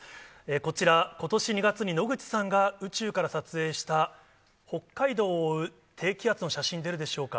こちら、ことし２月に野口さんが宇宙から撮影した、北海道を覆う低気圧の写真、出るでしょうか。